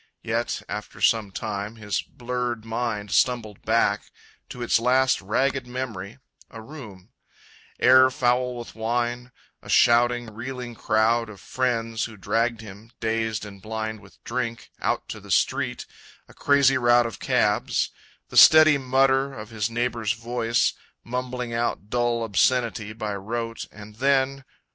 Yet After some time his blurred mind stumbled back To its last ragged memory a room; Air foul with wine; a shouting, reeling crowd Of friends who dragged him, dazed and blind with drink Out to the street; a crazy rout of cabs; The steady mutter of his neighbor's voice, Mumbling out dull obscenity by rote; And then...